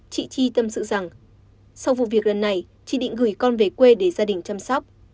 chị chi tâm sự rằng sau vụ việc lần này chị định gửi con về quê để gia đình chăm sóc